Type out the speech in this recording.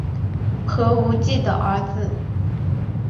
何无忌的儿子。